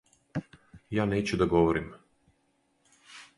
Ја нећу да говорим.